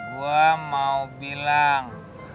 gua mau bilang